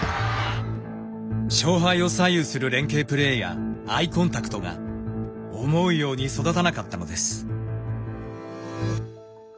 勝敗を左右する連係プレーやアイコンタクトが思うように育たなかったのです。